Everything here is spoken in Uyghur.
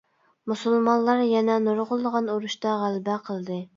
مۇسۇلمانلار يەنە نۇرغۇنلىغان ئۇرۇشتا غەلىبە قىلدى.